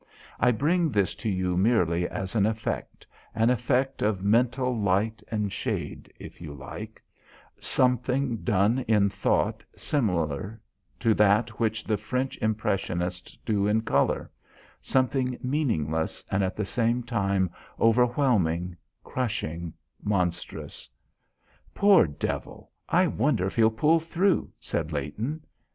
I bring this to you merely as an effect, an effect of mental light and shade, if you like; something done in thought similar to that which the French impressionists do in colour; something meaningless and at the same time overwhelming, crushing, monstrous. "Poor devil; I wonder if he'll pull through," said Leighton.